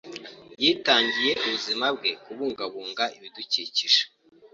Yitangiye ubuzima bwe kubungabunga ibidukikije.